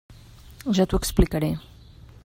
Ja t'ho explicaré.